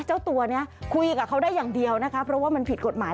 เจ้าตัวนี้คุยกับเขาได้อย่างเดียวนะคะเพราะว่ามันผิดกฎหมาย